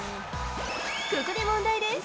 ここで問題です。